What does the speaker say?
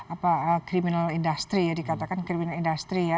apa criminal industry ya dikatakan criminal industry ya